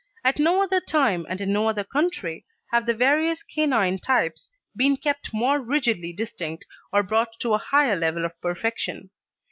At no other time, and in no other country, have the various canine types been kept more rigidly distinct or brought to a higher level of perfection.